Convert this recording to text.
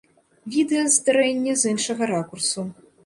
Відэа здарэння з іншага ракурсу.